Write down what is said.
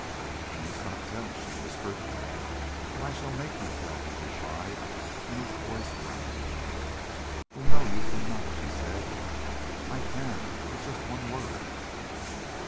"I must not tell," she whispered. "But I shall MAKE you tell," he replied, and his voice rang. "Oh no, you cannot," she said. "I can with just one word!"